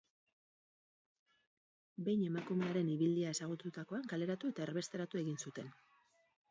Behin emakumearen ibilia ezagututakoan, kaleratu eta erbesteratu egin zuten.